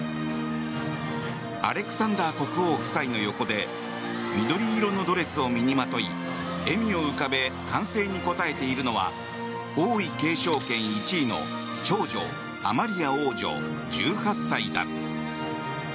アレクサンダー国王夫妻の横で緑色のドレスを身にまとい笑みを浮かべ歓声に応えているのは王位継承権１位の長女アマリア王女、１８歳だ。